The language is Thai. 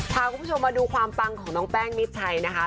พาคุณผู้ชมมาดูความปังของน้องแป้งมิดชัยนะคะ